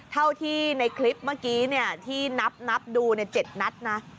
เท่าที่ในคลิปเมื่อกี้ที่นับดู๗นัดนะ